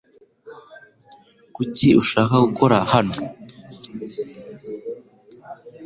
Kuki ushaka gukora hano?